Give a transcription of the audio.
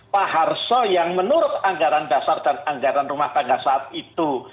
pak harso yang menurut anggaran dasar dan anggaran rumah tangga saat itu